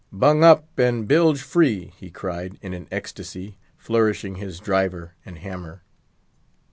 "Bung up, and bilge free!" he cried, in an ecstasy, flourishing his driver and hammer.